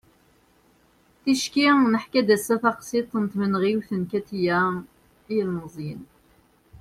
ticki neḥka-d ass-a taqsiḍt n tmenɣiwt n katia i yilmeẓyen